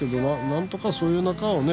何とかそういう中をね